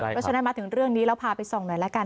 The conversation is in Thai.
เพราะฉะนั้นมาถึงเรื่องนี้เราพาไปส่องหน่อยละกัน